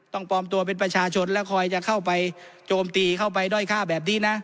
ปลอมตัวเป็นประชาชนและคอยจะเข้าไปโจมตีเข้าไปด้อยฆ่าแบบนี้นะ